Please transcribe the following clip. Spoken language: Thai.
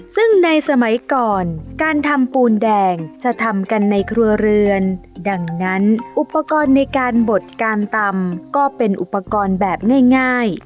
ซึ่งในสมัยก่อนการทำปูนแดงจะทำกันในครัวเรือนดังนั้นอุปกรณ์ในการบดการตำก็เป็นอุปกรณ์แบบง่าย